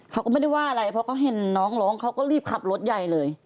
เขาก็ไม่ได้ว่าอะไรเพราะเขาเห็นน้องร้องเขาก็รีบขับรถใหญ่เลย